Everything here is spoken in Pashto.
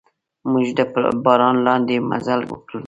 موږ د باران لاندې مزل وکړ.